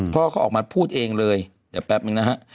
พ่อเขาออกมาพูดเองเลยเดี๋ยวแป๊บนึงนะฮะ